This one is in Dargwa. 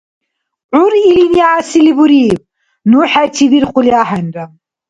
ГӀур илини гӀясили буриб: — Ну хӀечи вирхули ахӀенра!